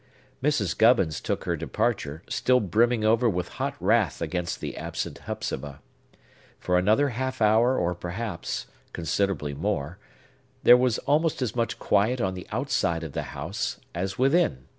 Mrs. Gubbins took her departure, still brimming over with hot wrath against the absent Hepzibah. For another half hour, or, perhaps, considerably more, there was almost as much quiet on the outside of the house as within.